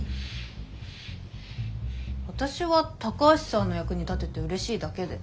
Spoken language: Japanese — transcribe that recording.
私は高橋さんの役に立てて嬉しいだけで。